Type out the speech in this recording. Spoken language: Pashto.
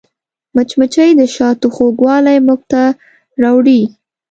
مچمچۍ د شاتو خوږوالی موږ ته راوړي